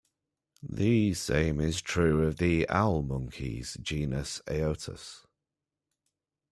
The same is true of the owl monkeys, genus "Aotus".